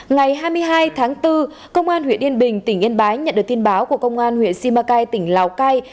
ngày hai mươi hai tháng bốn công an huyện yên bình tỉnh yên bái nhận được tin báo của công an huyện simacai tỉnh lào cai